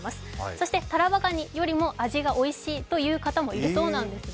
そしてタラバガニよりも味がおいしいと言う方もいるそうなんです。